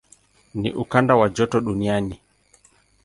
Ni ukanda wa joto duniani.